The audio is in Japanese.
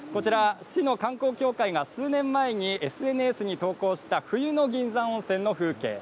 市の観光協会が数年前にＳＮＳに投稿した冬の銀山温泉の風景